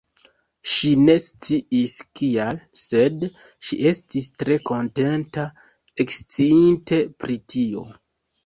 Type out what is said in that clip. Ŝi ne sciis kial, sed ŝi estis tre kontenta, eksciinte pri tio.